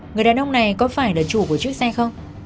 người đàn ông này có phải là chủ của chiếc xe không